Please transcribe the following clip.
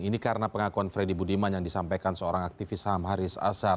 ini karena pengakuan freddy budiman yang disampaikan seorang aktivis ham haris azhar